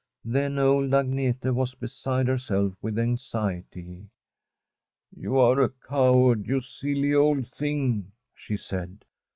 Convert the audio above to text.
Then old Agnete was beside herself with anxi ety. * You are a coward, you silly old thing,' she said.